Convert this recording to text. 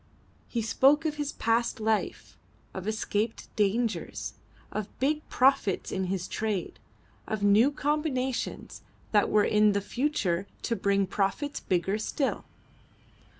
He spoke of his past life, of escaped dangers, of big profits in his trade, of new combinations that were in the future to bring profits bigger still.